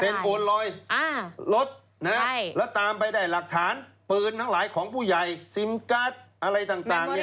เป็นโอนลอยรถแล้วตามไปได้หลักฐานปืนทั้งหลายของผู้ใหญ่ซิมการ์ดอะไรต่าง